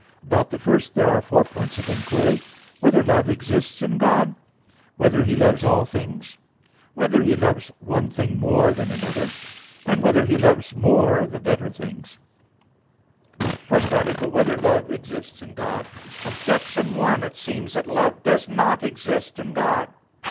About the first there are four points of inquiry: (1) Whether love exists in God? (2) Whether He loves all things? (3) Whether He loves one thing more than another? (4) Whether He loves more the better things? _______________________ FIRST ARTICLE [I, Q. 20, Art. 1] Whether Love Exists in God? Objection 1: It seems that love does not exist in God.